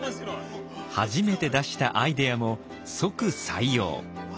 初めて出したアイデアも即採用。